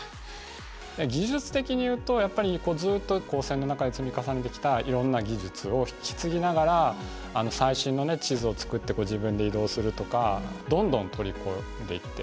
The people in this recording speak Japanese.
技術的に言うとやっぱりずっと高専の中で積み重ねてきたいろんな技術を引き継ぎながら最新の地図を作って自分で移動するとかどんどん取り込んでいって。